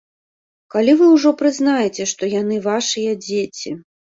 Калі вы ўжо прызнаеце, што яны вашыя дзеці?